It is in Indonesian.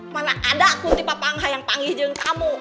mana ada kunti papa angha yang panggil jeong tamu